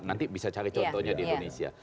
nanti bisa cari contohnya di indonesia